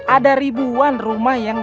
ada ribuan rumah yang